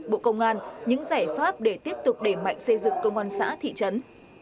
bộ công an những giải pháp để tiếp tục đẩy mạnh xây dựng công an xã thị trấn